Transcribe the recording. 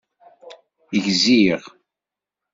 Gziɣ!